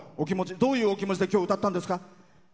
どういうお気持ちで、きょう歌ったんですか。